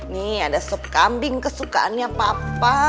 nih ada sop kambing kesukaannya papa